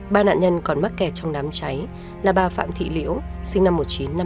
ba nạn nhân còn mắc kẹt trong đám cháy là bà phạm thị liễu sinh năm một nghìn chín trăm năm mươi